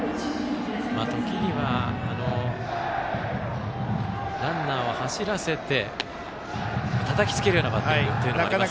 時にはランナーを走らせてたたきつけるようなバッティングがありますよね。